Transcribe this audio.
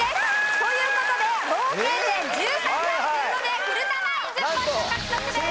という事で合計点１３対１５で古田ナイン１０ポイント獲得です！